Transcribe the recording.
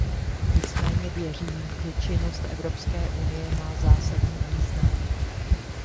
Nicméně věřím, že činnost Evropské unie má zásadní význam.